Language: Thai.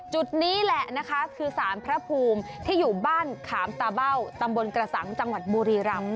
จุดนี้แหละนะคะคือสารพระภูมิที่อยู่บ้านขามตาเบ้าตำบลกระสังจังหวัดบุรีรำ